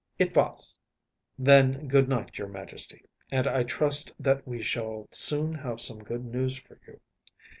‚ÄĚ “It was.‚ÄĚ “Then, good night, your Majesty, and I trust that we shall soon have some good news for you.